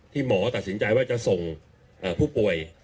หมอตัดสินใจว่าจะส่งผู้ป่วย